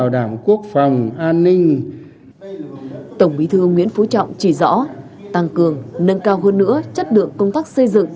tổng bí thư nguyễn phú trọng chỉ rõ tăng cường nâng cao hơn nữa chất lượng công tác xây dựng